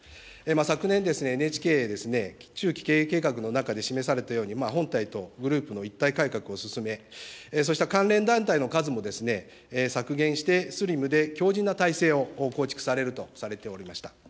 昨年、ＮＨＫですね、中期経営計画の中で示されたように、本体とグループの一体改革を進め、そうした関連団体の数も削減して、スリムで強じんな体制を構築されるとされておりました。